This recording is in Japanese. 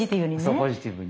そうポジティブに。